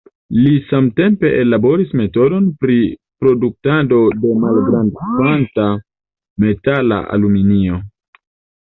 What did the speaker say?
Li samtempe ellaboris metodon pri produktado de malgrand-kvanta metala aluminio.